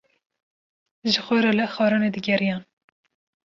Ji xwe re li xwarinê digeriyan.